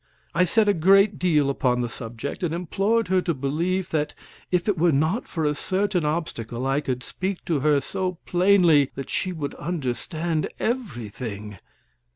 I said a great deal upon the subject, and implored her to believe that if it were not for a certain obstacle I could speak to her so plainly that she would understand everything.